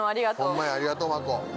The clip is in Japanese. ホンマやありがとうまこ。